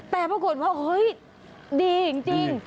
แต่ปรากฏว่าเฮ้ยดีจริง